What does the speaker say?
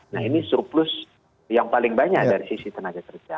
nah ini surplus yang paling banyak dari sisi tenaga kerja